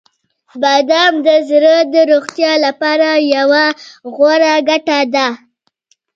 • بادام د زړه د روغتیا لپاره یوه غوره ګټه ده.